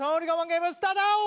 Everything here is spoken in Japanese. ゲームスタート